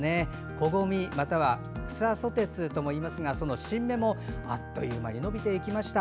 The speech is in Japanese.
コゴミ、またはクサソテツともいいますがその新芽もあっという間に伸びていきました。